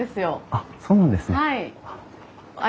あっそうなんですね。